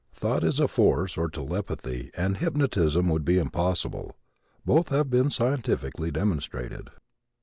Thought is a force or telepathy and hypnotism would be impossible. Both have been scientifically demonstrated.